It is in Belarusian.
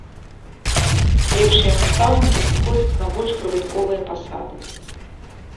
Лепшыя настаўнікі сыходзяць на больш прыбытковыя пасады.